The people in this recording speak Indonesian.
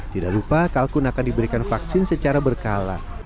tidak lupa kalkun akan diberikan vaksin secara berkala